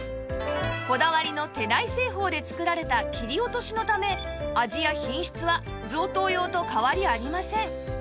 こだわりの手綯製法で作られた切り落としのため味や品質は贈答用と変わりありません